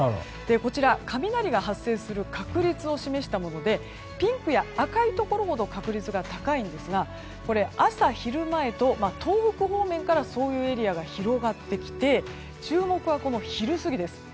こちら、雷が発生する確率を示したものでピンクや赤いところほど確率が高いんですが朝、昼前と東北方面からそういうエリアが広がってきて注目は昼過ぎです。